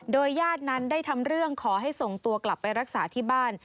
โดยญาตินั้นได้ทำเรื่องขอให้ส่งตัวกลับไปรักษาที่บ้าน